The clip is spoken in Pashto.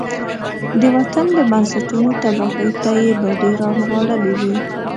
د وطن د بنسټونو تباهۍ ته يې بډې را نغاړلې وي.